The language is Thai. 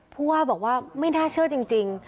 ผู้ว่าบอกว่าไม่น่าเชื่อจริง